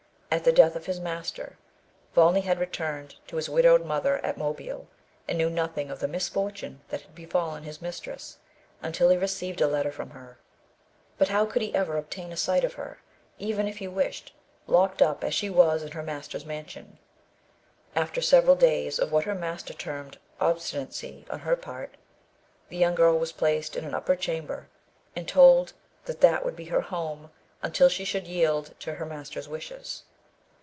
At the death of his master, Volney had returned to his widowed mother at Mobile, and knew nothing of the misfortune that had befallen his mistress, until he received a letter from her. But how could he ever obtain a sight of her, even if he wished, locked up as she was in her master's mansion? After several days of what her master termed "obstinacy" on her part, the young girl was placed in an upper chamber, and told that that would be her home, until she should yield to her master's wishes.